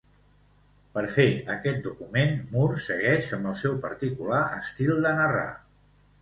Per fer aquest documental Moore segueix amb el seu particular estil de narrar.